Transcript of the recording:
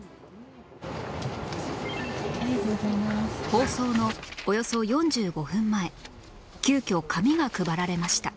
放送のおよそ４５分前急遽紙が配られました